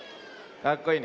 かっこいいね。